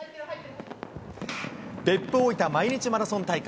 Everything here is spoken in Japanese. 別府大分毎日マラソン大会。